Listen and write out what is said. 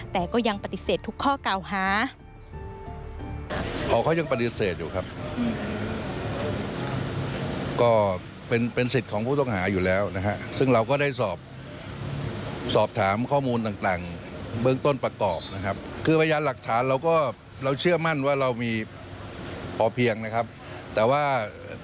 แต่ก็ยังปฏิเสธทุกข้อเก่าหา